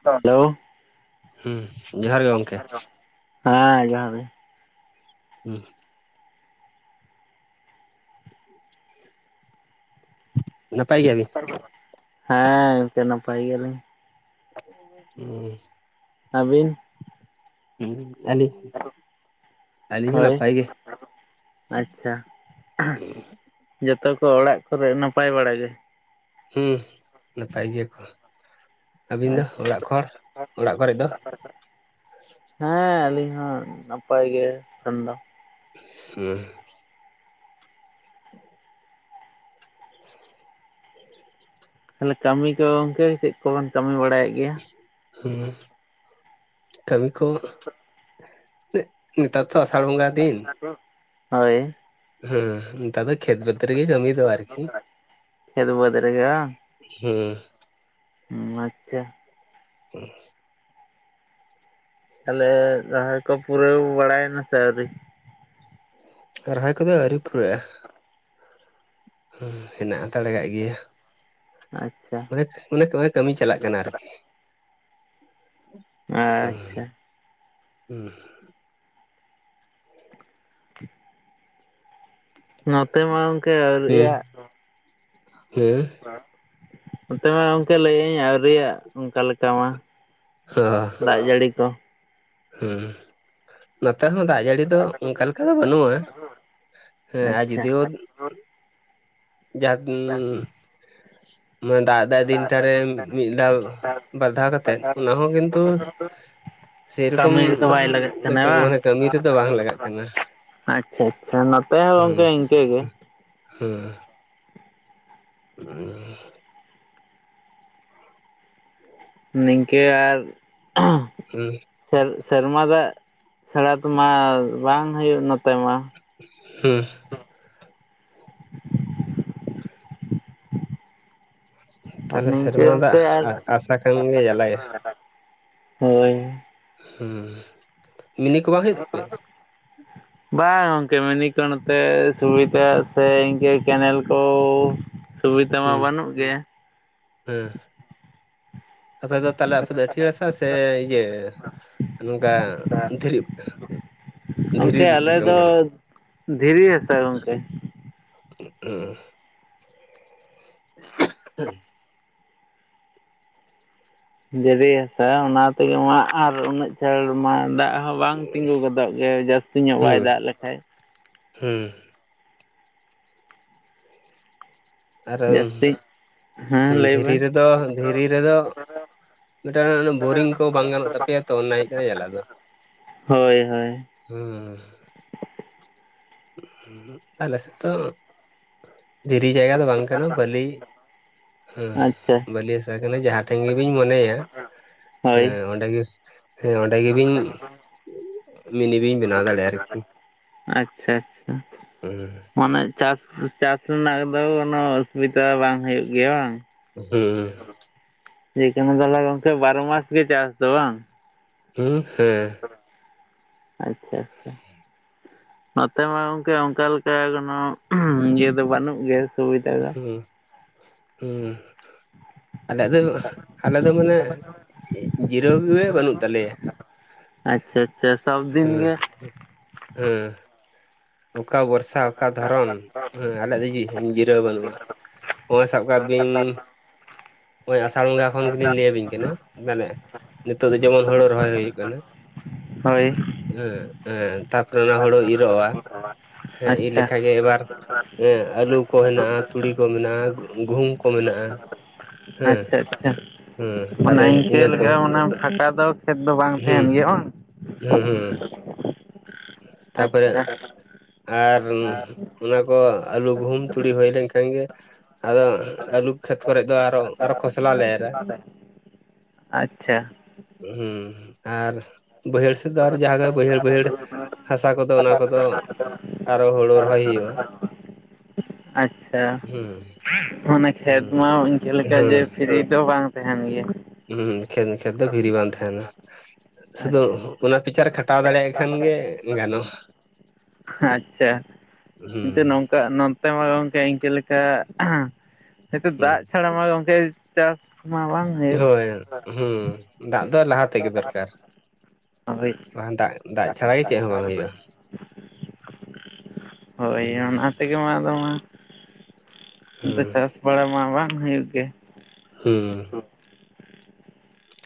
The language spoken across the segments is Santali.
ᱦᱮᱞᱳ ᱦᱩᱸ ᱡᱚᱦᱟᱨ ᱜᱮ ᱜᱚᱝᱠᱮ᱾ ᱦᱟᱸ ᱡᱚᱦᱟᱨ ᱜᱮ᱾ [unintelligible] [inaudible] ᱱᱟᱯᱟᱭ ᱜᱮᱭᱟᱵᱤᱱ? ᱦᱮᱸ ᱜᱚᱢᱠᱮ ᱱᱟᱯᱟᱭ ᱜᱮᱭᱟᱞᱤᱧ᱾ [unintelligible] ᱟᱹᱵᱤᱱ? [unintelligible] ᱟᱞᱤᱧ, ᱟᱞᱤᱧ ᱦᱚᱸ ᱦᱳᱭ ᱱᱟᱯᱟᱭ ᱜᱮ᱾ [unintelligible] ᱟᱪᱪᱷᱟ ᱡᱚᱛᱚ ᱠᱚ ᱚᱲᱟᱜ ᱠᱚᱨᱮ ᱱᱟᱯᱟᱭ ᱵᱟᱲᱟ ᱜᱮ? ᱦᱮᱸ ᱱᱟᱯᱟᱭ ᱜᱮᱭᱟ ᱠᱚ ᱟᱹᱵᱤᱱ ᱫᱚ ᱟᱪᱪᱷᱟ ᱚᱲᱟᱜ ᱠᱷᱚᱲ ᱚᱲᱟᱜ ᱠᱚᱨᱮᱡ ᱫᱚ? ᱦᱮᱸ ᱟᱹᱞᱤᱧ ᱦᱚᱸ ᱱᱟᱯᱟᱭ ᱜᱮ ᱮᱠᱷᱚᱱ ᱫᱚ᱾ [unintelligible] ᱛᱟᱦᱚᱞᱮ ᱠᱟᱢᱤ ᱠᱚ ᱜᱚᱝᱠᱮ ᱪᱮᱫ ᱠᱚᱵᱚᱱ ᱵᱟᱲᱟᱭᱮᱫ ᱜᱮᱭᱟ? ᱦᱩᱸ ᱠᱟᱹᱢᱤ ᱠᱚ ᱱᱮ ᱱᱮᱛᱟᱨ ᱛᱷᱚ ᱟᱥᱟᱲ ᱵᱚᱸᱜᱟ ᱫᱤᱱ᱾ ᱦᱳᱭ ᱦᱮᱸ ᱱᱮᱛᱟᱨ ᱫᱚ ᱠᱷᱮᱛ ᱵᱟᱹᱫ ᱨᱮᱜᱮ ᱠᱟᱹᱢᱤ ᱫᱚ ᱟᱨᱠᱤ᱾ ᱠᱷᱮᱛ ᱵᱟᱹᱫᱽ ᱨᱮᱜᱮ ᱵᱟᱝ ᱦᱮᱸ [unintelligible] ᱟᱪᱪᱷᱟ [inaudible] ᱛᱟᱦᱞᱮ ᱨᱚᱦᱚᱭ ᱠᱚ ᱯᱩᱨᱟᱹᱣ ᱵᱟᱲᱟᱭᱮᱱᱟ ᱥᱮ ᱟᱹᱣᱨᱤ? ᱨᱚᱦᱟᱭ ᱠᱚᱫᱚ ᱟᱹᱣᱨᱤ ᱯᱩᱨᱟᱹᱜᱼᱟ, ᱦᱮᱱᱟᱜ ᱦᱟᱛᱟᱲ ᱠᱟᱜ ᱜᱮᱭᱟ᱾ ᱟᱪᱪᱷᱟ ᱢᱟᱱᱮ ᱱᱚᱜᱚᱭ ᱪᱟᱞᱟᱜ ᱠᱟᱱᱟ ᱟᱨᱠᱤ᱾ ᱟᱪᱪᱷᱟ [unintelligible] [inaudible] [inaudible] ᱱᱚᱛᱮ ᱢᱟ ᱜᱚᱝᱠᱮ ᱦᱩᱸ ᱟᱹᱣᱨᱤᱭᱟᱜ᱾ ᱦᱮᱸ ᱱᱚᱛᱮ ᱢᱟ ᱜᱚᱝᱠᱮ ᱞᱟᱹᱭᱮᱫ ᱟᱹᱧ ᱟᱹᱣᱨᱤᱭᱟᱜ ᱚᱱᱠᱟ ᱞᱮᱠᱟ ᱢᱟ᱾ ᱚ ᱫᱟᱜ ᱡᱟᱹᱲᱤ ᱠᱚ ᱦᱮᱸ ᱱᱚᱛᱮ ᱦᱚᱸ ᱫᱟᱜ ᱡᱟᱹᱲᱤ ᱫᱚ ᱚᱱᱠᱟ ᱞᱮᱠᱟ ᱫᱚ ᱵᱟᱹᱱᱩᱜᱼᱟ᱾ ᱦᱮᱸ ᱟᱨ ᱡᱩᱫᱤ ᱟᱪᱪᱷᱟ ᱦᱚᱸ ᱡᱟᱦᱟᱸ ᱛᱤᱱ ᱫᱟᱜ ᱫᱟᱭ ᱫᱤᱱᱴᱟᱨᱮ ᱢᱤᱫ ᱫᱷᱟᱣ ᱵᱟᱨᱫᱷᱟ ᱠᱟᱛᱮᱜ ᱚᱱᱟᱦᱚᱸ ᱠᱤᱱᱛᱩ ᱥᱮ ᱨᱚᱠᱚᱢ ᱠᱟᱹᱢᱤ ᱨᱮᱫᱚ ᱵᱟᱭ ᱞᱟᱜᱟᱜ ᱠᱟᱱᱟ ᱵᱟᱝ? ᱢᱟᱱᱮ ᱠᱟᱹᱢᱤ ᱨᱮᱫᱚ ᱵᱟᱝ ᱞᱟᱜᱟᱜ ᱠᱟᱱᱟ᱾ ᱟᱪᱪᱷᱟᱼᱟᱪᱪᱷᱟ ᱱᱚ ᱦᱮᱸ ᱦᱮᱸ᱾ [unintelligible] ᱱᱤᱝᱠᱟᱹ ᱟᱨ ᱦᱩᱸ᱾ ᱥᱮᱨ ᱥᱮᱨᱢᱟ ᱫᱟᱜ ᱪᱷᱟᱬᱟ ᱛᱚᱢᱟ ᱵᱟᱝ ᱦᱩᱭᱩᱜ ᱱᱚᱛᱮ ᱢᱟ᱾ ᱦᱩᱸ᱾ ᱟᱨ ᱛᱟᱦᱞᱮ ᱥᱮᱨᱢᱟ ᱱᱤᱝᱠᱟᱹ ᱫᱟᱜ ᱚᱱᱠᱟ ᱟᱨ ᱟᱥᱟ ᱠᱟᱱ ᱜᱮ ᱡᱟᱞᱟᱭᱟ᱾ ᱦᱳᱭ᱾ ᱦᱩᱸ ᱢᱤᱱᱤ ᱠᱚ ᱵᱟᱝ ᱦᱩᱭᱩᱜ ᱛᱟᱯᱮᱭᱟ? ᱵᱟᱝ ᱜᱚᱝᱠᱮ ᱢᱤᱱᱤ ᱠᱚ ᱱᱚᱛᱮ ᱥᱩᱵᱤᱫᱟ ᱥᱮ ᱤᱱᱠᱟᱹ ᱠᱮᱱᱮᱞ ᱠᱚ ᱥᱩᱵᱤᱛᱟ ᱢᱟ ᱵᱟᱹᱱᱩᱜ ᱜᱮ᱾ ᱦᱩᱸ᱾ ᱟᱯᱮ ᱫᱚ ᱛᱟᱦᱚᱞᱮ ᱟᱯᱮ ᱫᱚ ᱟᱹᱴᱭᱟᱹᱲ ᱦᱟᱥᱟ ᱥᱮ ᱤᱭᱟᱹ ᱱᱚᱝᱠᱟ ᱫᱷᱤᱨᱤ? ᱫᱷᱤᱨᱤ ᱜᱚᱢᱠᱮ ᱟᱞᱮ ᱫᱤᱥᱚᱢ ᱫᱚ ᱠᱟᱱᱟ ᱫᱷᱤᱨᱤ ᱦᱟᱥᱟ ᱜᱚᱢᱠᱮ᱾ [unintelligible] ᱫᱷᱤᱨᱤ ᱦᱟᱥᱟ ᱚᱱᱟ ᱛᱮᱜᱮ ᱢᱟ ᱟᱨ ᱩᱱᱟᱹᱜ ᱪᱷᱟᱹᱲ ᱢᱟ ᱫᱟᱜ ᱦᱚᱸ ᱵᱟᱝ ᱛᱤᱸᱜᱩ ᱜᱚᱫᱚᱜ ᱜᱮ ᱡᱟᱹᱥᱛᱤ ᱧᱚᱜ ᱵᱟᱭ ᱦᱩᱸ ᱫᱟᱜ ᱞᱮᱠᱷᱟᱡ᱾ ᱦᱩᱸ᱾ ᱟᱫᱚ ᱡᱟᱹᱥᱛᱤ ᱦᱮᱸ ᱞᱟᱹᱭ ᱫᱷᱤᱨᱤ ᱵᱮᱱ ᱨᱮᱫᱚ ᱫᱷᱤᱨᱤ ᱨᱮᱫᱚ ᱢᱤᱫᱴᱟᱝ ᱚᱱᱮ ᱵᱳᱨᱤᱝ ᱠᱚ ᱵᱟᱝ ᱜᱟᱱᱚᱜ ᱛᱟᱯᱮᱭᱟ ᱛᱚ ᱚᱱᱟ ᱦᱩᱭᱩᱜ ᱠᱟᱱᱟ ᱡᱟᱞᱟ ᱫᱚ᱾ ᱦᱳᱭ ᱦᱳᱭ᱾ ᱦᱩᱸ᱾ ᱟᱞᱮ ᱥᱮᱫ ᱫᱚ ᱫᱷᱤᱨᱤ ᱡᱟᱭᱜᱟ ᱫᱚ ᱵᱟᱝ ᱠᱟᱱᱟ ᱵᱟᱹᱞᱤ᱾ ᱦᱮᱸ ᱟᱪᱪᱷᱟ ᱵᱟᱹᱞᱤ ᱦᱟᱥᱟ ᱠᱟᱱᱟ ᱡᱟᱦᱟᱸ ᱴᱷᱮᱱ ᱜᱮᱵᱤᱱ ᱢᱚᱱᱮᱭᱟ᱾ ᱦᱳᱭ ᱦᱮᱸ ᱚᱸᱰᱮ ᱜᱮ ᱦᱮᱸ ᱚᱸᱰᱮ ᱜᱮᱵᱤᱱ ᱢᱤᱱᱤ ᱵᱤᱱ ᱵᱮᱱᱟᱣ ᱫᱟᱲᱮᱭᱟᱜᱼᱟ ᱟᱨᱠᱤ᱾ ᱟᱪᱪᱷᱟ ᱾ [unintelligible] ᱢᱟᱱᱮ ᱪᱟᱥ ᱪᱟᱥ ᱨᱮᱱᱟᱜ ᱫᱚ ᱠᱚᱱᱳ ᱚᱥᱩᱵᱤᱫᱟ ᱵᱟᱝ ᱦᱩᱭᱩᱜ ᱜᱮᱭᱟ ᱵᱟᱝ? ᱦᱩᱸᱦᱩᱸ᱾ [unintelligible] ᱛᱟᱦᱞᱮ ᱜᱚᱢᱠᱮ ᱵᱟᱨᱚ ᱢᱟᱥ ᱜᱮ ᱪᱟᱥ ᱫᱚ ᱵᱟᱝ? ᱦᱩᱸ ᱦᱮᱸ᱾ ᱟᱪᱪᱷᱟ ᱟᱪᱪᱷᱟ᱾ ᱱᱚᱛᱮ ᱢᱟ ᱜᱚᱝᱠᱮ ᱚᱱᱠᱟ ᱞᱮᱠᱟ ᱠᱚᱱᱳ ᱤᱭᱟᱹ ᱫᱚ ᱵᱟᱹᱱᱩᱜ ᱜᱮᱭᱟ ᱥᱩᱵᱤᱫᱟ ᱫᱚ᱾ ᱦᱮᱸ ᱟᱞᱮᱭᱟᱜ ᱫᱚ ᱟᱞᱮ ᱫᱚ ᱢᱟᱱᱮ ᱡᱤᱨᱟᱹᱣ ᱜᱮ ᱵᱟᱹᱱᱩᱜ ᱛᱟᱞᱮᱭᱟ᱾ ᱟᱪᱪᱷᱟ ᱟᱪᱪᱷᱟ ᱥᱚᱵ ᱫᱤᱱ ᱦᱮᱸ ᱜᱮ᱾ ᱦᱮᱸ ᱚᱠᱟ ᱵᱚᱨᱥᱟ ᱚᱠᱟ ᱫᱷᱚᱨᱚᱱ ᱦᱮ ᱟᱞᱮᱭᱟᱜ ᱫᱚ᱾ ᱡᱤᱨᱟᱹᱣ ᱵᱟᱹᱱᱩᱜᱼᱟ ᱦᱚᱸᱜᱼᱚᱭ ᱥᱟᱵ ᱠᱟᱜ ᱵᱤᱱ ᱦᱚᱜᱚᱭ ᱟᱥᱟᱲ ᱵᱚᱸᱜᱟ ᱠᱷᱚᱱ ᱜᱮᱞᱤᱧ ᱞᱟᱹᱭᱟ ᱵᱤᱱ ᱠᱟᱱᱟ ᱢᱟᱱᱮ ᱱᱤᱛᱚᱜ ᱫᱚ ᱡᱮᱢᱚᱱ ᱦᱳᱲᱳ ᱨᱚᱦᱚᱭ ᱦᱳᱭᱳᱜ ᱠᱟᱱᱟ ᱾ ᱦᱳᱭ ᱾ ᱦᱮᱸ ᱦᱮᱸ ᱾ ᱛᱟᱯᱚᱨᱮ ᱚᱱᱟ ᱦᱳᱲᱳ ᱤᱨᱚᱜᱼᱟ ᱦᱮᱸ ᱤᱨ ᱟᱪᱪᱷᱟ ᱞᱮᱠᱷᱟᱡ ᱜᱮ ᱮᱵᱟᱨ ᱟᱞᱩ ᱠᱚ ᱦᱮᱱᱟᱜᱼᱟ ᱛᱩᱲᱤ ᱠᱚ ᱢᱮᱱᱟᱜᱼᱟ ᱜᱩᱦᱩᱢ ᱠᱚ ᱢᱮᱱᱟᱜᱼᱟ ᱾ ᱟᱪᱪᱷᱟ ᱟᱪᱪᱷᱟ ᱛᱟᱦᱞᱮ ᱢᱱᱟᱮ ᱤᱱᱠᱟᱹ ᱤᱱᱟᱹ ᱠᱚ ᱞᱮᱠᱟ ᱢᱟᱱᱮ ᱯᱷᱟᱸᱠᱟ ᱫᱚ ᱠᱷᱮᱛ ᱫᱚ ᱵᱟᱝ ᱦᱩᱸ ᱛᱟᱦᱮᱱ ᱜᱮᱭᱟ ᱵᱟᱝ? ᱦᱩᱸ ᱦᱩᱸ ᱛᱟᱨᱯᱚᱨᱮ ᱟᱪᱪᱷᱟ ᱟᱨ ᱚᱱᱟᱠᱚ ᱟᱹᱞᱩ ᱜᱩᱦᱩᱢ ᱛᱩᱲᱤ ᱦᱳᱭ ᱞᱮᱱᱠᱷᱟᱱ ᱜᱮ ᱟᱫᱚ ᱟᱹᱞᱩ ᱠᱷᱮᱛ ᱠᱚᱨᱮᱫ ᱫᱚ ᱟᱨᱚ ᱟᱨᱚ ᱠᱷᱚᱥᱞᱟ ᱞᱮ ᱮᱨᱟ ᱾ ᱟᱪᱪᱷᱟ ᱾ ᱦᱩᱸ ᱟᱨ ᱵᱟᱹᱭᱦᱟᱹᱲ ᱥᱮᱫ ᱟᱨ ᱡᱟᱜᱮ ᱵᱟᱹᱭᱦᱟᱹᱲ ᱵᱟᱹᱭᱦᱟᱹᱲ ᱦᱟᱥᱟ ᱠᱚᱫᱚ ᱚᱱᱟ ᱠᱚᱫᱚ ᱟᱨᱚ ᱦᱩᱲᱩ ᱨᱚᱦᱚᱭ ᱦᱩᱭᱩᱜᱼᱟ ᱾ ᱟᱪᱪᱷᱟ ᱢᱟᱱᱮ ᱠᱷᱮᱛ ᱦᱩᱸ ᱢᱟ ᱤᱱᱠᱟᱹ ᱞᱮᱠᱟ ᱦᱩᱸ ᱡᱮ ᱯᱷᱤᱨᱤ ᱫᱚ ᱵᱟᱝ ᱛᱟᱦᱮᱱ ᱜᱮᱭᱟ᱾ ᱦᱩᱸ ᱠᱷᱮᱛ ᱠᱷᱮᱛ ᱫᱚ ᱯᱷᱤᱨᱤ ᱵᱟᱝ ᱛᱟᱦᱮᱸᱱᱟ᱾ ᱥᱩᱫᱩ ᱟᱪᱪᱷᱟ ᱚᱱᱟ ᱯᱤᱪᱷᱟᱨᱮ ᱠᱷᱟᱴᱟᱣ ᱫᱟᱲᱮᱭᱟᱜ ᱠᱷᱟᱱ ᱜᱮ ᱜᱟᱱᱚᱜᱼᱟ᱾ ᱟᱪᱪᱷᱟ ᱱᱤᱛᱚᱜ ᱦᱩᱸ ᱱᱚᱝᱠᱟ ᱱᱚᱱᱛᱮ ᱢᱟ ᱜᱚᱝᱠᱮ ᱤᱝᱠᱟᱹ ᱞᱮᱠᱟ ᱦᱤᱛᱳ ᱦᱩᱸ ᱫᱟᱜ ᱪᱷᱟᱲᱟ ᱢᱟ ᱜᱚᱝᱠᱮ ᱪᱟᱥ ᱢᱟ ᱵᱟᱝ ᱦᱩᱭᱩᱜ ᱦᱳᱭ ᱦᱩᱸ ᱫᱟᱜ ᱫᱚ ᱞᱟᱦᱟ ᱛᱮᱜᱮ ᱫᱚᱨᱠᱟᱨ ᱦᱳᱭ ᱾ ᱵᱟᱝ ᱫᱟᱜ ᱫᱟᱜ ᱪᱷᱟᱲᱟ ᱜᱮ ᱪᱮᱫ ᱦᱚᱸ ᱵᱟᱝ ᱦᱩᱭᱩᱜᱼᱟ ᱾ ᱦᱳᱭ ᱚᱱᱟ ᱦᱩᱸ ᱛᱮᱜᱮ ᱢᱟ ᱟᱫᱚ ᱢᱟ ᱟᱫᱚ ᱪᱟᱥ ᱵᱟᱲᱟ ᱢᱟ ᱵᱟᱝ ᱦᱩᱭᱩᱜ ᱜᱮ᱾ ᱦᱩᱸ ᱾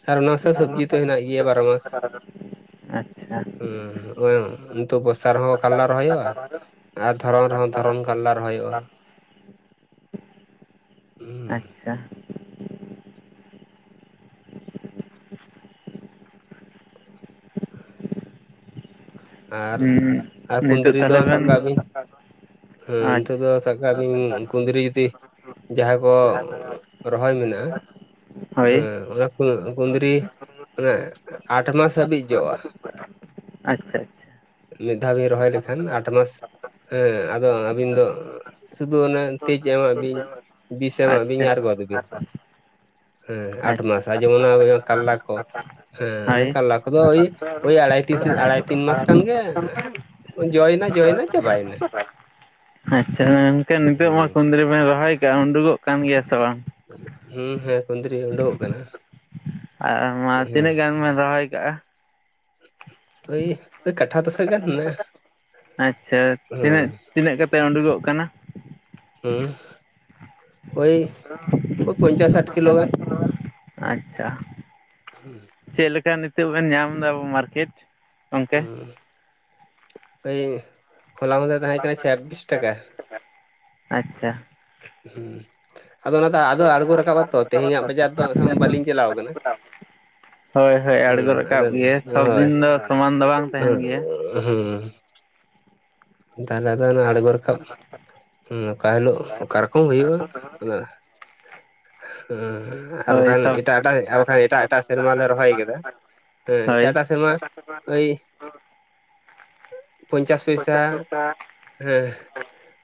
ᱟᱨ ᱚᱱᱟ ᱥᱟᱶ ᱥᱚᱵᱡᱤ ᱛᱚ ᱦᱮᱱᱟᱜ ᱜᱮᱭᱟ ᱵᱟᱨᱚ ᱢᱟᱥ ᱾ ᱟᱪᱪᱷᱟ ᱾ ᱦᱩᱸ ᱦᱚᱸᱭ ᱱᱤᱛᱚᱜ ᱵᱚᱨᱥᱟ ᱨᱮᱦᱚᱸ ᱠᱷᱟᱨᱞᱟ ᱨᱚᱦᱚᱭᱜᱼᱟ᱾ ᱟᱨ ᱫᱷᱚᱨᱚᱱ ᱨᱮᱦᱚᱸ ᱫᱷᱚᱨᱚᱱ ᱠᱟᱞᱞᱟ ᱨᱚᱦᱚᱭᱜᱼᱟ᱾ ᱦᱩᱸ ᱾ ᱟᱪᱪᱷᱟ ᱟᱨ ᱦᱩᱸ ᱟᱨ ᱱᱤᱛᱚᱜ ᱠᱩᱫᱽᱨᱤ ᱫᱚ ᱛᱟᱦᱚᱞᱮ ᱥᱟᱵ ᱵᱮᱱ ᱠᱟᱜ ᱵᱤᱱ ᱦᱩᱸ ᱱᱤᱛᱚᱜ ᱟᱪᱪᱷᱟ ᱫᱚ ᱥᱟᱵ ᱠᱟᱜ ᱵᱤᱱ ᱠᱩᱫᱽᱨᱤ ᱡᱩᱫᱤ ᱡᱟᱦᱟᱸ ᱠᱚ ᱨᱚᱦᱚᱭ ᱢᱮᱱᱟᱜᱼᱟ ᱦᱳᱭ ᱦᱮᱸ ᱚᱱᱟ ᱠᱩᱸ ᱠᱩᱸᱫᱽᱨᱤ ᱚᱱᱟᱮ ᱟᱴ ᱢᱟᱥ ᱦᱟᱹᱵᱤᱡ ᱡᱚᱜᱼᱟ᱾ ᱟᱪᱪᱷᱟ ᱟᱪᱪᱷᱟ ᱾ ᱢᱤᱫ ᱫᱷᱟᱣ ᱵᱤᱱ ᱨᱚᱦᱚᱭ ᱞᱮᱠᱷᱟᱱ ᱟᱴ ᱢᱟᱥ ᱦᱮᱸ ᱟᱫᱚ ᱟᱹᱵᱤᱱ ᱫᱚ ᱥᱩᱫᱷᱩ ᱚᱱᱮ ᱛᱮᱡ ᱮᱢᱟᱜ ᱵᱤᱱ ᱵᱤᱥ ᱮᱢᱟᱜ ᱵᱤᱱ ᱟᱪᱪᱷᱟ ᱟᱪᱪᱷᱟ ᱟᱨ ᱜᱚᱫ ᱵᱤᱱ᱾ ᱦᱮᱸ ᱟᱴ ᱟᱪᱪᱷᱟ ᱢᱟᱥ ᱟᱨ ᱡᱤᱢᱚᱱ ᱚᱱᱟ ᱠᱟᱞᱞᱟ ᱠᱚ ᱦᱮᱸ ᱚᱱᱮ ᱦᱳᱭ ᱠᱟᱞᱞᱟ ᱠᱚᱫᱚ ᱳᱭ ᱟᱲᱟᱭ ᱛᱤᱥ ᱟᱲᱟᱭ ᱛᱤᱱ ᱢᱟᱥ ᱠᱷᱟᱱ ᱜᱮ ᱡᱚᱭᱮᱱᱟ ᱡᱚᱭᱮᱱᱟ ᱪᱟᱵᱟᱭᱮᱱᱟ᱾ ᱟᱪᱪᱷᱟ ᱮᱱᱠᱷᱟᱱ ᱱᱤᱛᱚᱜ ᱢᱟ ᱦᱩᱸ ᱠᱩᱫᱽᱨᱤ ᱵᱮᱱ ᱨᱚᱦᱚᱭ ᱠᱟᱜᱼᱟ ᱩᱰᱩᱠᱚᱜ ᱠᱟᱱ ᱜᱮᱭᱟ ᱥᱮ ᱵᱟᱝ? ᱦᱩᱸ ᱦᱮᱸ ᱠᱩᱸᱫᱽᱨᱤ ᱩᱰᱩᱠᱚᱜ ᱠᱟᱱᱟ᱾ ᱟᱨ ᱢᱟ ᱦᱩᱸ ᱛᱤᱱᱟᱹᱜ ᱜᱟᱱ ᱵᱮᱱ ᱨᱚᱦᱚᱭ ᱟᱠᱟᱜᱼᱟ? ᱳᱭ ᱳᱭ ᱠᱟᱴᱷᱟ ᱫᱚᱥᱮᱠ ᱜᱟᱱ ᱦᱮᱱᱟᱜᱼᱟ᱾ ᱟᱪᱪᱷᱟ ᱛᱤᱱᱟᱹᱜ ᱦᱩᱸ ᱛᱤᱱᱟᱹᱜ ᱠᱟᱛᱮ ᱩᱰᱩᱠᱚᱜ ᱠᱟᱱᱟ? ᱦᱩᱸ ᱳᱭ ᱳᱭ ᱯᱚᱧᱪᱟᱥ ᱥᱟᱴ ᱠᱤᱞᱳ ᱜᱟᱱ᱾ ᱟᱪᱪᱷᱟ᱾ ᱦᱩᱸ᱾ ᱪᱮᱫ ᱞᱮᱠᱟ ᱱᱤᱛᱚᱜ ᱵᱮᱱ ᱧᱟᱢ ᱮᱫᱟ ᱢᱟᱨᱠᱮᱴ? ᱜᱚᱝᱠᱮ ᱦᱩᱸ ᱳᱭ ᱦᱚᱞᱟ ᱢᱟᱫᱷᱮᱨ ᱛᱟᱦᱮᱸ ᱠᱟᱱᱟ ᱪᱷᱟᱵᱵᱤᱥ ᱴᱟᱠᱟ᱾ ᱟᱪᱪᱷᱟ᱾ ᱦᱩᱸ ᱟᱫᱚ ᱚᱱᱟ ᱫᱚ ᱟᱫᱚ ᱟᱬᱜᱚ ᱨᱟᱠᱟᱵ ᱟᱛᱚ ᱛᱮᱦᱮᱧᱟᱜ ᱵᱟᱡᱟᱨ ᱫᱚ ᱦᱟᱸᱜ ᱠᱷᱟᱱ ᱵᱟᱹᱞᱤᱧ ᱪᱟᱞᱟᱣ ᱟᱠᱟᱱᱟ᱾ ᱦᱳᱭ ᱦᱳᱭ ᱟᱬᱜᱚ ᱨᱟᱠᱟᱵ ᱦᱩᱸ ᱜᱮ ᱥᱚᱵ ᱫᱤᱱ ᱫᱚ ᱟᱫᱚ ᱥᱚᱢᱟᱱ ᱫᱚ ᱵᱟᱝ ᱛᱟᱦᱮᱱ ᱦᱳᱭ ᱜᱮᱭᱟ ᱩᱸ ᱦᱩᱸ᱾ ᱛᱟᱦᱞᱮ ᱟᱫᱚ ᱚᱱᱮ ᱟᱬᱜᱳ ᱨᱟᱠᱟᱵ ᱦᱩᱸ ᱚᱠᱟ ᱦᱤᱞᱳᱜ ᱚᱠᱟ ᱨᱚᱠᱚᱢ ᱦᱩᱭᱩᱜᱼᱟ ᱚᱱᱟ ᱦᱮᱸ ᱟᱨ ᱦᱳᱭ ᱵᱟᱠᱷᱟᱱ ᱥᱚᱵ ᱮᱴᱟᱜ ᱮᱴᱟᱜ ᱟᱨ ᱵᱟᱠᱷᱟᱱ ᱮᱴᱟᱜ ᱮᱴᱟᱜ ᱥᱮᱨᱢᱟ ᱞᱮ ᱨᱚᱦᱚᱭ ᱟᱠᱟᱫᱟ ᱦᱮᱸ ᱦᱳᱭ ᱮᱴᱟᱜ ᱮᱴᱟᱜ ᱥᱮᱨᱢᱟ ᱳᱭ ᱯᱚᱧᱪᱟᱥ ᱯᱚᱭᱥᱟ᱾ ᱦᱮᱸ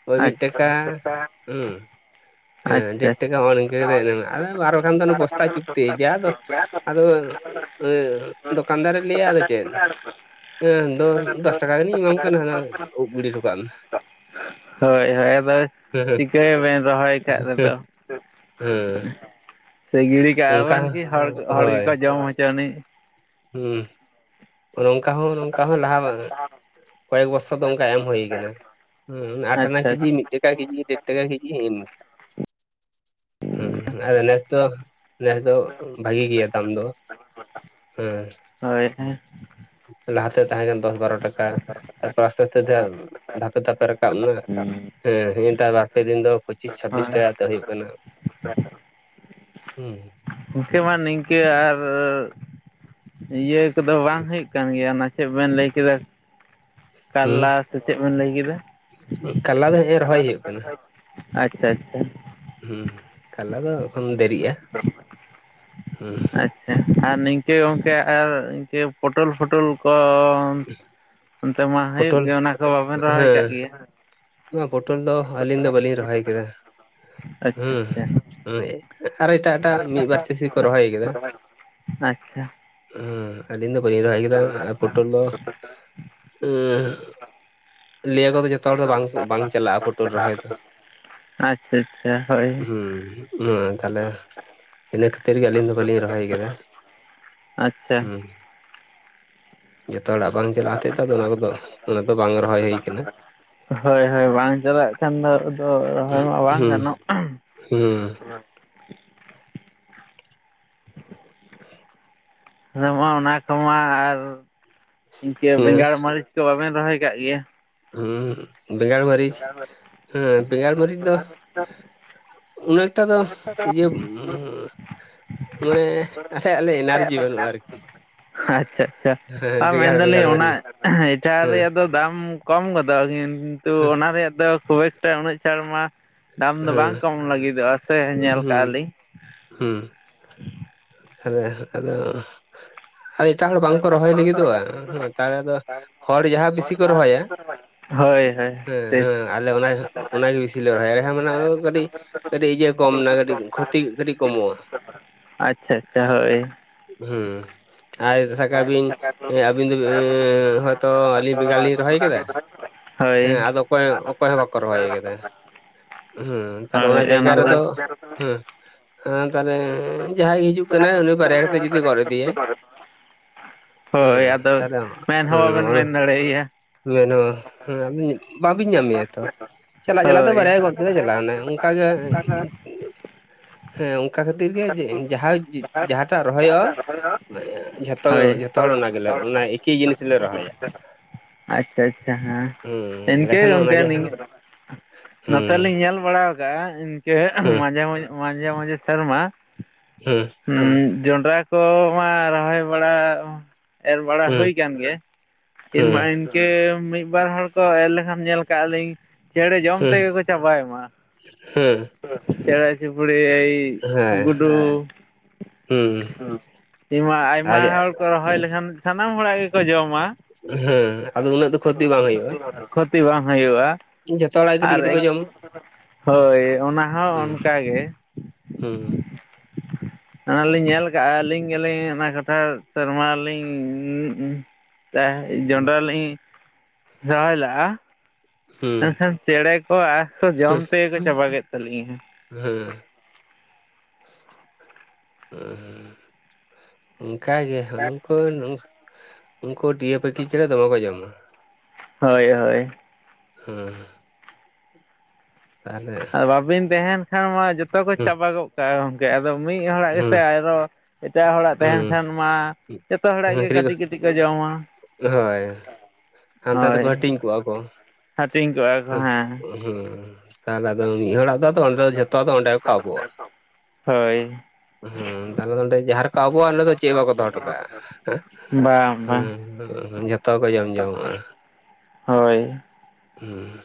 ᱳᱭ ᱢᱤᱫ ᱴᱟᱠᱟ ᱟᱪᱪᱷᱟ ᱦᱩᱸ ᱦᱮᱸ ᱰᱮᱴ ᱟᱪᱪᱷᱟ ᱴᱟᱠᱟ ᱦᱚᱜᱼᱚ ᱱᱤᱝ [unintelligible] ᱟᱨ ᱵᱟᱝᱠᱷᱟᱱ ᱫᱚ ᱵᱚᱥᱛᱟ ᱪᱩᱠᱛᱤ ᱡᱟ ᱫᱚᱥ ᱟᱫᱚ ᱩᱸᱦ ᱫᱚᱠᱟᱱ ᱫᱟᱨᱮ ᱞᱟᱹᱭᱟ ᱟᱫᱚ ᱪᱮᱫ? ᱩᱸᱦ ᱫᱳ ᱫᱚᱥ ᱴᱟᱠᱟ ᱜᱟᱱ ᱤᱧ ᱮᱢᱟᱢ ᱠᱟᱱᱟ ᱦᱟᱱᱟ ᱩᱵ ᱜᱤᱰᱤ ᱦᱚᱴᱚᱠᱟᱜ ᱢᱮ ᱾ ᱦᱳᱭ ᱦᱳᱭ ᱟᱫᱚ ᱦᱮᱸ ᱪᱤᱠᱟᱹᱭᱟᱵᱤᱱ ᱨᱚᱦᱚᱭ ᱠᱟᱜ ᱨᱮᱫᱚ ᱦᱩᱸ᱾ ᱥᱮ ᱜᱤᱲᱤ ᱠᱟᱜᱼᱟ ᱵᱮᱱ ᱠᱤ ᱦᱚᱲ ᱦᱚᱲ ᱦᱳᱭ ᱜᱮᱠᱚ ᱡᱚᱢ ᱦᱚᱪᱚ ᱱᱤᱡ ᱦᱩᱸ᱾ ᱱᱚᱝᱠᱟ ᱦᱚᱸ ᱱᱚᱝᱠᱟ ᱦᱚᱸ ᱞᱟᱦᱟ [unintelligible] ᱠᱚᱭᱮᱠ ᱵᱚᱨᱥᱚ ᱫᱚ ᱚᱱᱠᱟ ᱮᱢ ᱦᱩᱭ ᱟᱠᱟᱱᱟ᱾ ᱦᱩᱸ ᱟᱴᱷᱱᱟ ᱟᱪᱪᱷᱟ ᱠᱤᱡᱤ ᱢᱤᱫ ᱴᱟᱠᱟ ᱠᱤᱡᱤ ᱰᱮᱴ ᱴᱟᱠᱟ ᱠᱤᱡᱤ ᱤᱱᱠᱟ᱾ ᱦᱩᱸ ᱦᱩᱸ ᱟᱨ ᱱᱮᱥ ᱫᱚ ᱱᱮᱥ ᱫᱚ ᱵᱷᱟᱹᱜᱤ ᱜᱮᱭᱟ ᱫᱟᱢ ᱫᱚ ᱾ ᱦᱳᱭ ᱦᱮᱸ ᱦᱩᱸ ᱞᱟᱦᱟ ᱛᱮ ᱛᱟᱦᱮᱸ ᱠᱟᱱ ᱫᱚᱥ ᱵᱟᱨᱚ ᱴᱟᱠᱟ᱾ ᱛᱟᱯᱚᱨ ᱟᱥᱛᱮ ᱟᱥᱛᱮ ᱛᱮ ᱫᱷᱟᱯᱮ ᱫᱷᱟᱯᱮ ᱨᱟᱠᱟᱵ ᱮᱱᱟ ᱾ ᱦᱮᱸ ᱱᱤᱭᱟᱹᱴᱟᱜ ᱵᱟᱨᱯᱮ ᱫᱤᱱ ᱫᱚ ᱯᱚᱸᱪᱤᱥ ᱪᱷᱟᱵᱵᱤᱥ ᱦᱳᱭ ᱴᱟᱠᱟ ᱠᱟᱛᱮ ᱦᱩᱭᱩᱜ ᱠᱟᱱᱟ᱾ ᱦᱩᱸ᱾ ᱜᱚᱝᱠᱮ ᱢᱟ ᱱᱤᱝᱠᱟᱹ ᱟᱨ ᱤᱭᱟᱹ ᱠᱚᱫᱚ ᱵᱟᱝ ᱦᱩᱭᱩᱜ ᱠᱟᱱ ᱜᱮᱭᱟ ᱚᱱᱟ ᱪᱮᱫ ᱵᱮᱱ ᱞᱟᱹᱭ ᱠᱮᱫᱟ ᱦᱩᱸ ᱠᱟᱞᱞᱟ ᱥᱮ ᱪᱮᱫ ᱵᱮᱱ ᱞᱟᱹᱭ ᱠᱮᱫᱟ? ᱠᱟᱞᱞᱟ ᱫᱚ ᱦᱮᱸ ᱮ ᱨᱚᱦᱚᱭ ᱦᱩᱭᱩᱜ ᱠᱟᱱᱟ ᱾ ᱟᱪᱪᱷᱟ ᱟᱪᱪᱷᱟ ᱾ ᱦᱩᱸ ᱠᱟᱞᱞᱟ ᱫᱚ ᱮᱠᱷᱚᱱ ᱫᱮᱨᱤᱜᱼᱟ ᱦᱩᱸ ᱾ ᱟᱪᱪᱷᱟ ᱟᱨ ᱱᱤᱝᱠᱟᱹ ᱜᱚᱝᱠᱮ ᱟᱨ ᱤᱝᱠᱟᱹ ᱯᱚᱴᱚᱞ ᱯᱷᱚᱴᱚᱞ ᱠᱚ ᱦᱩᱸ ᱚᱱᱛᱮ ᱢᱟ ᱦᱩᱭᱩᱜ ᱯᱚᱴᱚᱞ ᱜᱮᱭᱟ ᱚᱱᱟ ᱠᱚ ᱵᱟᱵᱮᱱ ᱨᱚᱦᱚᱭ ᱠᱟᱜ ᱦᱮᱸ ᱜᱮᱭᱟ? ᱱᱚᱣᱟ ᱯᱚᱴᱚᱞ ᱫᱚ ᱟᱹᱞᱤᱧ ᱫᱚ ᱵᱟᱹᱞᱤᱧ ᱨᱚᱦᱚᱭ ᱠᱮᱫᱟ ᱟᱪᱪᱷᱟ ᱦᱩᱸ ᱦᱚᱸ ᱮ ᱟᱨᱚ ᱮᱴᱟᱜ ᱮᱴᱟᱜ ᱢᱤᱫ ᱵᱟᱨ ᱪᱟᱥᱤ ᱠᱚ ᱨᱚᱦᱚᱭ ᱠᱟᱫᱟ ᱾ ᱟᱪᱪᱷᱟ᱾ ᱦᱩᱸ ᱟᱞᱤᱧ ᱫᱚ ᱵᱟᱹᱞᱤᱧ ᱨᱚᱦᱚᱭ ᱟᱠᱟᱫᱟ ᱟᱨ ᱯᱚᱴᱚᱞ ᱫᱚ ᱦᱩᱸ ᱞᱮᱭᱟᱠᱚ ᱡᱚᱛᱚ ᱦᱚᱲ ᱫᱚ ᱵᱟᱝ ᱵᱟᱝ ᱪᱟᱞᱟᱜᱼᱟ ᱯᱳᱴᱳᱞ ᱨᱚᱦᱚᱭ ᱫᱚ ᱟᱪ ᱟᱪᱪᱷᱟ ᱟᱪᱪᱷᱟ᱾ ᱦᱩᱸ ᱢᱟ ᱛᱟᱦᱞᱮ ᱤᱱᱟᱹ ᱠᱷᱟᱹᱛᱤᱨ ᱜᱮ ᱟᱹᱞᱤᱧ ᱫᱚ ᱵᱟᱹᱞᱤᱧ ᱨᱚᱦᱚᱭ ᱠᱟᱫᱟ ᱾ ᱟᱪᱪᱷᱟ᱾ ᱡᱚᱛᱚ ᱦᱚᱲᱟᱜ ᱵᱟᱝ ᱪᱟᱞᱟᱜ ᱦᱚᱛᱮᱫ ᱛᱮ ᱚᱱᱟ ᱠᱚᱫᱚ ᱚᱱᱟ ᱫᱚ ᱵᱟᱝ ᱨᱚᱦᱚᱭ ᱦᱩᱭ ᱠᱟᱱᱟ ᱾ ᱦᱳᱭ ᱦᱳᱭ ᱵᱟᱝ ᱪᱟᱞᱟᱜ ᱠᱷᱟᱱ ᱫᱚ ᱟᱫᱚ ᱨᱚᱦᱚᱭ ᱢᱟ ᱵᱟᱝ ᱦᱩᱸ ᱜᱟᱱᱚᱜ ᱦᱩᱸ ᱱᱚᱣᱟ ᱚᱱᱟ ᱠᱚᱢᱟ ᱟᱨ ᱤᱱᱠᱟᱹ ᱦᱮᱸ ᱵᱮᱸᱜᱟᱲ ᱢᱟᱹᱨᱤᱪ ᱠᱚ ᱵᱟᱵᱮᱱ ᱨᱚᱦᱚᱭ ᱠᱟᱜ ᱜᱮᱭᱟ ᱦᱩᱸ ᱵᱮᱸᱜᱟᱲ ᱢᱟᱹᱨᱤᱪ ᱦᱮᱸ ᱵᱮᱸᱜᱟᱲ ᱢᱟᱹᱨᱤᱪ ᱫᱚ ᱩᱱᱟᱹᱜ ᱮᱠᱴᱟ ᱫᱚ ᱤᱭᱟᱹ ᱢᱟᱱᱮ ᱟᱥᱟᱭᱮᱜ-ᱟ ᱞᱮ ᱮᱱᱟᱨᱡᱤ ᱵᱟᱹᱱᱩᱜ-ᱟ ᱟᱨᱠᱤ ᱾ ᱟᱪᱪᱷᱟ ᱟᱪᱪᱷᱟ ᱟᱨ ᱢᱮᱱᱫᱟ ᱵᱮᱸᱜᱟᱲ ᱞᱤᱧ ᱚᱱᱟ ᱢᱟᱹᱨᱤᱪ ᱮᱴᱟᱜ ᱦᱮᱸ ᱨᱮᱭᱟᱜ ᱫᱚ ᱫᱟᱢ ᱠᱚᱢ ᱜᱚᱫᱚᱜᱼᱟ ᱠᱤᱱᱛᱩ ᱦᱮᱸ ᱚᱱᱟ ᱨᱮᱭᱟᱜ ᱫᱚ ᱠᱷᱩᱵ ᱮᱠᱴᱟ ᱩᱱᱟᱹᱜ ᱪᱟᱲ ᱢᱟ ᱫᱟᱢ ᱫᱚ ᱦᱮᱸ ᱵᱟᱝ ᱠᱚᱢ ᱞᱟᱹᱜᱤᱫ ᱫᱚᱜ-ᱟ ᱾ ᱦᱩᱸ ᱦᱩᱸ ᱟᱫᱚ ᱟᱨ ᱮᱴᱟᱜ ᱦᱚᱲ ᱵᱟᱝᱠᱚ ᱨᱚᱦᱚᱭ ᱞᱟᱹᱜᱤᱫᱚᱜᱼᱟ ᱦᱩᱸ ᱛᱟᱦᱚᱞᱮ ᱫᱚ ᱦᱚᱲ ᱡᱟᱦᱟᱸ ᱵᱤᱥᱤ ᱠᱚ ᱨᱚᱦᱚᱭᱟ ᱦᱳᱭ ᱦᱳᱭ ᱦᱮᱸ ᱴᱷᱤᱠ ᱦᱮᱸ ᱟᱞᱮ ᱚᱱᱟ ᱚᱱᱟ ᱜᱮ ᱵᱤᱥᱤ ᱞᱮ ᱨᱚᱦᱚᱭᱟ [unintelligible] ᱠᱟᱹᱴᱤᱡ ᱠᱟᱹᱴᱤᱡ ᱤᱭᱟᱹ ᱠᱚᱢ ᱱᱟ ᱠᱟᱹᱴᱤᱡ ᱠᱷᱚᱛᱤ ᱠᱟᱹᱴᱤᱡ ᱠᱚᱢᱚᱜᱼᱟ ᱾ ᱟᱪᱪᱷᱟ ᱟᱪᱪᱷᱟ ᱦᱳᱭ᱾ ᱦᱩᱸ ᱟᱨ ᱥᱟᱵ ᱠᱟᱵᱤᱱ ᱦᱮᱸ ᱟᱵᱤᱱ ᱫᱚ ᱦᱚᱭᱛᱚ ᱟᱹᱞᱤᱧ ᱵᱮᱸᱜᱟᱲ ᱞᱤᱧ ᱨᱚᱦᱚᱭ ᱠᱮᱫᱟ ᱦᱳᱭ ᱦᱮᱸ ᱟᱫᱚ ᱚᱸᱠᱚᱭ ᱚᱸᱠᱚᱭ ᱦᱚᱸ ᱵᱟᱠᱚ ᱨᱚᱦᱚᱭ ᱟᱠᱟᱫᱟ ᱦᱮᱸ ᱟᱨ ᱚᱱᱟ ᱦᱳᱭ ᱡᱟᱭᱜᱟ ᱫᱚ ᱨᱮᱫᱚ ᱦᱮᱸ ᱛᱟᱦᱚᱞᱮ ᱮᱸᱻ ᱡᱟᱦᱟᱸᱭ ᱜᱤ ᱦᱤᱡᱩᱜ ᱠᱟᱱᱟᱭ ᱩᱱᱤ ᱵᱟᱨᱭᱟ ᱠᱟᱛᱮ ᱡᱩᱫᱤ ᱜᱚᱫᱽ ᱤᱫᱤᱭᱟᱭ ᱦᱳᱭ ᱦᱮᱸ ᱟᱫᱚ ᱛᱟᱦᱚᱞᱮ ᱢᱮᱱ ᱦᱚᱸ ᱦᱮᱸ ᱵᱟᱵᱮᱱ ᱚᱱᱟ ᱢᱮᱱ ᱫᱟᱲᱮᱭᱟᱭᱟ ᱢᱮᱱᱦᱚᱸ ᱦᱮᱸ ᱟᱵᱤᱱ ᱵᱟᱵᱤᱱ ᱧᱟᱢᱮᱭᱟ ᱛᱷᱚ ᱪᱟᱞᱟᱜ ᱪᱟᱞᱟᱜ ᱛᱮ ᱦᱳᱭ ᱵᱟᱨᱭᱟᱭ ᱜᱚᱫ ᱠᱮᱫᱟ ᱪᱟᱞᱟᱣ ᱱᱟᱭ ᱚᱱᱠᱟ ᱜᱮ ᱦᱮᱸ ᱚᱱᱠᱟ ᱠᱷᱟᱹᱛᱤᱨ ᱜᱮ ᱡᱮ ᱡᱟᱦᱟᱸᱭ ᱡᱟᱦᱟᱸ ᱴᱷᱟᱜ ᱨᱚᱦᱚᱭᱚᱜ-ᱟ ᱢᱟᱱᱮ ᱡᱷᱚᱛᱚ ᱦᱳᱭ ᱡᱷᱚᱛᱚ ᱦᱚᱲ ᱚᱱᱟ ᱜᱮᱞᱮ ᱚᱱᱟ ᱮᱠᱤ ᱡᱤᱱᱤᱥ ᱞᱮ ᱨᱚᱦᱚᱭᱟ᱾ ᱟᱪᱪᱷᱟ ᱟᱪᱪᱷᱟ ᱦᱮᱸ ᱤᱱᱠᱟᱹ ᱮᱸᱰᱮᱠᱷᱟᱱ ᱜᱚᱝᱠᱮ ᱚᱱᱟᱜᱮ ᱱᱤᱝ ᱱᱚᱛᱮ ᱦᱮᱸ ᱞᱤᱧ ᱧᱮᱞ ᱵᱟᱲᱟ ᱠᱟᱜ-ᱟ ᱤᱱᱠᱟᱹ ᱦᱮᱸ ᱢᱟᱡᱮ ᱢᱟᱡᱷᱮ ᱢᱟᱡᱷᱮ ᱥᱮᱨᱢᱟ ᱦᱮᱸ ᱦᱩᱸ ᱡᱚᱸᱰᱨᱟ ᱠᱚ ᱢᱟ ᱨᱚᱦᱚᱭ ᱵᱟᱲᱟ ᱮᱨ ᱵᱟᱲᱟ ᱦᱩᱭ ᱦᱮᱸ ᱠᱟᱱ ᱜᱮ ᱠᱤᱱ ᱢᱟ ᱦᱮᱸ ᱠᱟᱹ ᱢᱤᱫ ᱵᱟᱨ ᱦᱚᱲ ᱠᱚ ᱮᱨ ᱞᱮᱠᱷᱟᱱ ᱧᱮᱞ ᱠᱟᱜᱼᱟ ᱞᱤᱧ ᱪᱮᱬᱮ ᱡᱚᱢ ᱦᱮᱸ ᱛᱮᱜᱮ ᱠᱚ ᱪᱟᱵᱟᱭ ᱢᱟ ᱾ ᱦᱮᱸ ᱪᱮᱲᱮ ᱪᱩᱯᱲᱤ ᱮᱭ ᱦᱮᱸ ᱜᱩᱰᱩ ᱦᱩᱸ ᱛᱤᱢᱟ ᱟᱭᱢᱟ ᱟᱡᱟᱜ ᱦᱚᱲ ᱠᱚ ᱨᱚᱦᱚᱭ ᱞᱮᱠᱷᱟᱱ ᱥᱟᱱᱟᱢ ᱦᱚᱲᱟᱜ ᱜᱮᱠᱚ ᱡᱚᱢᱟ ᱦᱮᱸ ᱟᱫᱚ ᱩᱱᱟᱹᱜ ᱫᱚ ᱠᱷᱚᱛᱤ ᱵᱟᱝ ᱦᱩᱭᱩᱜᱼᱟ ᱠᱷᱳᱛᱤ ᱵᱟᱝ ᱦᱩᱭᱩᱜ-ᱟ ᱡᱷᱚᱛᱚ ᱦᱚᱲᱟᱜ ᱜᱮ ᱠᱟᱹᱴᱤᱡ ᱟᱨ ᱠᱟᱹᱴᱤᱡ ᱠᱚ ᱮᱠ ᱡᱚᱢᱟ ᱦᱳᱭ ᱚᱱᱟ ᱦᱚᱸ ᱦᱩᱸ ᱚᱱᱠᱟ ᱜᱮ ᱦᱩᱸ ᱚᱱᱟᱞᱤᱧ ᱧᱮᱞ ᱠᱟᱜᱼᱟ ᱟᱹᱞᱤᱧ ᱜᱮᱞᱤᱧ ᱚᱱᱟ ᱠᱟᱴᱷᱟᱹᱨ ᱥᱮᱨᱢᱟ ᱞᱤᱧ ᱤᱸ ᱤᱸ ᱛᱟ ᱦᱩᱸ ᱡᱚᱱᱰᱨᱟ ᱞᱤᱧ ᱨᱚᱦᱚᱭ ᱞᱟᱜᱼᱟ ᱢᱮᱱᱠᱷᱟᱱ ᱪᱮᱬᱮ ᱠᱚ ᱟᱨ ᱠᱚ ᱡᱚᱢ ᱛᱮᱜᱮ ᱠᱚ ᱪᱟᱵᱟ ᱠᱮᱫ ᱛᱟᱹᱞᱤᱧᱟ᱾ ᱦᱮᱸ [unintelligible] ᱚᱱᱠᱟ ᱜᱮ ᱩᱱᱠᱩ ᱱᱩᱠ ᱩᱱᱠᱩ ᱴᱤᱭᱟᱹ ᱯᱟᱹᱠᱷᱤ ᱪᱮᱬᱮ ᱫᱚᱢᱮ ᱠᱚ ᱡᱚᱢᱟ ᱾ ᱦᱳᱭ ᱦᱳᱭ ᱦᱮᱸ ᱛᱟᱦᱚᱞᱮ ᱟᱨ ᱵᱟᱵᱤᱱ ᱛᱟᱦᱮᱱ ᱠᱷᱟᱱ ᱢᱟ ᱡᱚᱛᱚ ᱠᱚ ᱦᱩᱸ ᱪᱟᱵᱟ ᱜᱚᱜ ᱠᱟ ᱜᱚᱝᱠᱮ ᱟᱫᱚ ᱢᱤᱫ ᱦᱩᱸ ᱜᱮᱥᱮ ᱟᱭᱨᱚ ᱮᱴᱟᱜ ᱦᱚᱲᱟᱜ ᱛᱟᱦᱮᱱ ᱦᱩᱸ ᱠᱷᱟᱱ ᱢᱟ ᱡᱚᱛᱚ ᱦᱚᱲᱟᱜ ᱜᱮ ᱠᱟᱴᱤᱜ ᱠᱟᱹᱴᱤᱜ ᱠᱚ ᱡᱚᱢᱟ ᱦᱳᱭ ᱦᱟᱱᱛᱮ ᱫᱚᱠᱚ ᱦᱳᱭ ᱦᱟᱹᱴᱤᱧ ᱠᱚᱣᱟ ᱠᱚ ᱦᱟᱹᱴᱤᱧ ᱠᱚᱜᱼᱟ ᱠᱚ ᱦᱮᱸ ᱦᱩᱸ ᱛᱟᱦᱚᱞᱮ ᱟᱫᱚ ᱢᱤᱫ ᱦᱚᱲᱟᱜ ᱫᱚ ᱟᱸᱫᱚ ᱚᱱᱛᱮ ᱡᱷᱚᱛᱚ ᱫᱚ ᱚᱸᱰᱮ ᱠᱚ ᱟᱵᱚᱜᱼᱟ ᱦᱳᱭ ᱦᱩᱸ ᱛᱟᱦᱚᱞᱮ ᱱᱚᱸᱰᱮ ᱡᱟᱦᱟᱸ ᱨᱮ ᱠᱚ ᱟᱵᱚᱜᱼᱟ ᱱᱚᱸᱰᱮ ᱫᱚ ᱪᱮᱫ [unintelligible] ᱵᱟᱠᱚ ᱫᱚᱦᱚ ᱴᱚᱠᱟᱜᱼᱟ ᱵᱟᱝ ᱮᱸ ᱵᱟᱝ ᱦᱩᱸ ᱡᱚᱛᱚ ᱠᱚ ᱡᱚᱢ ᱡᱚᱢ ᱢᱟᱜᱼᱟ ᱦᱳᱭ ᱦᱩᱸ